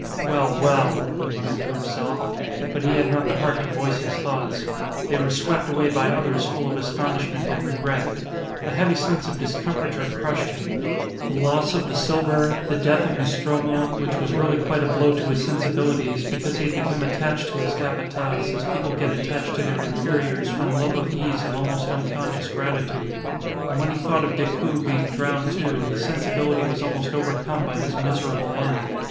"Well, well!" he muttered to himself, but he had not the heart to voice his thoughts. They were swept away by others full of astonishment and regret. A heavy sense of discomfiture crushed him: the loss of the silver, the death of Nostromo, which was really quite a blow to his sensibilities, because he had become attached to his Capataz as people get attached to their inferiors from love of ease and almost unconscious gratitude. And when he thought of Decoud being drowned, too, his sensibility was almost overcome by this miserable end.